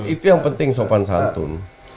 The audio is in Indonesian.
itu yang penting sopan santun